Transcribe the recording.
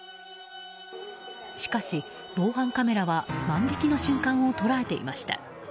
しかし、防犯カメラは万引きの瞬間を捉えていました。